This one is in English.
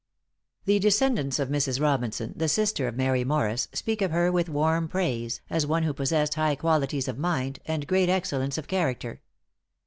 The descendants of Mrs. Robinson, the sister of Mary Morris, speak of her with warm praise, as one who possessed high qualities of mind, and great excellence of character.